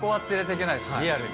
リアルに。